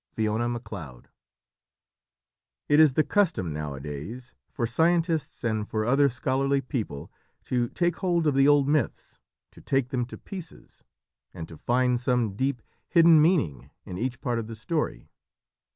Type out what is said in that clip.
Fiona Macleod. It is the custom nowadays for scientists and for other scholarly people to take hold of the old myths, to take them to pieces, and to find some deep, hidden meaning in each part of the story.